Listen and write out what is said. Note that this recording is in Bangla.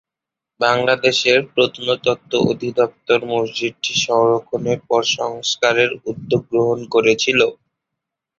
বাংলাদেশের প্রত্নতত্ত্ব অধিদপ্তর মসজিদটি সংরক্ষণের পর সংস্কারের উদ্যোগ গ্রহণ করেছিল।